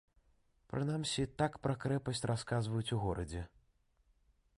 Прынамсі, так пра крэпасць расказваюць у горадзе.